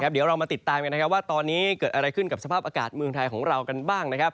เดี๋ยวเรามาติดตามกันว่าตอนนี้เกิดอะไรขึ้นกับสภาพอากาศเมืองไทยของเรากันบ้างนะครับ